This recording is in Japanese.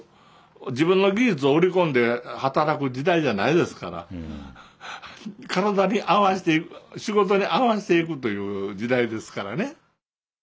自分の技術を売り込んで働く時代じゃないですから体に合わせて仕事に合わせていくという時代ですからね。